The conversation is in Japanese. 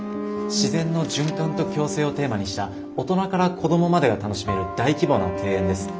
自然の循環と共生をテーマにした大人から子どもまでが楽しめる大規模な庭園です。